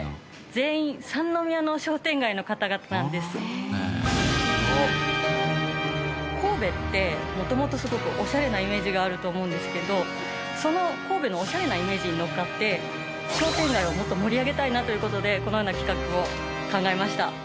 実はこれ神戸って元々すごくオシャレなイメージがあると思うんですけどその神戸のオシャレなイメージに乗っかって商店街をもっと盛り上げたいなという事でこのような企画を考えました。